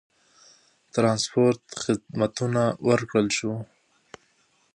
ترانسپورت خدمتونه ورکړل شول.